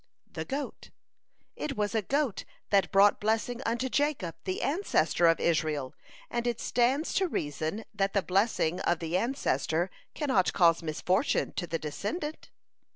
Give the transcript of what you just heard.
The Goat: "It was a goat that brought blessing unto Jacob, the ancestor of Israel, and it stands to reason that the blessing of the ancestor cannot cause misfortune to the descendant."